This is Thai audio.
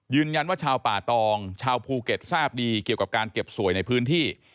ชาวป่าตองชาวภูเก็ตทราบดีเกี่ยวกับการเก็บสวยในพื้นที่